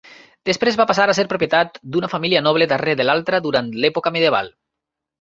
Després, va passar a ser propietat d'una família noble darrere de l'altra durant l'època medieval.